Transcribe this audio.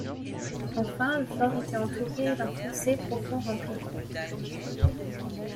Enfin le fort était entouré d'un fossé profond rempli d'eau.